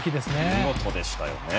見事でしたよね。